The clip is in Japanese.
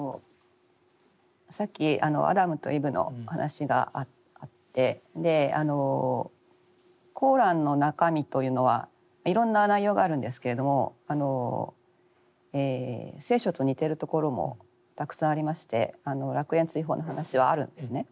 さっきアダムとイブの話があってコーランの中身というのはいろんな内容があるんですけれども聖書と似ているところもたくさんありまして楽園追放の話はあるんですね。